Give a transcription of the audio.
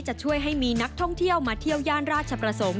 จะช่วยให้มีนักท่องเที่ยวมาเที่ยวย่านราชประสงค์